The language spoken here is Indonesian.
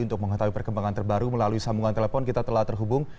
untuk mengetahui perkembangan terbaru melalui sambungan telepon kita telah terhubung